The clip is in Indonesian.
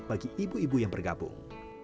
bagi ibu ibu yang bergabung